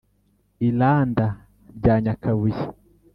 i randa rya nyakabuye.